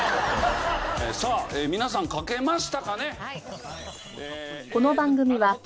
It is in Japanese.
さあ皆さん書けましたかね？